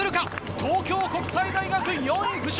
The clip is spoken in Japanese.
東京国際大学、４位浮上。